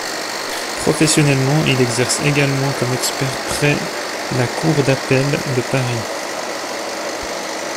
Professionnellement, il exerce également comme expert près la cour d'appel de Paris.